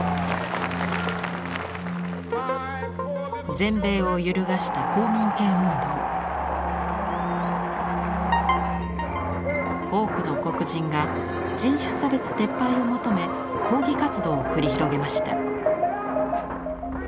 全米を揺るがした多くの黒人が人種差別撤廃を求め抗議活動を繰り広げました。